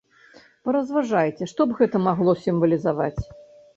Паразважайце, што б гэта магло сімвалізаваць?